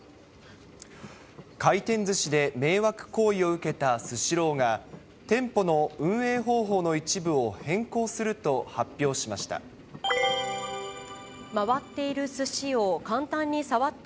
回転ずしで迷惑行為を受けたスシローが、店舗の運営方法の一部を変更すると発表しました。